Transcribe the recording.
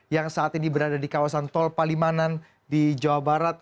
yang saat ini berada di kawasan tol palimanan di jawa barat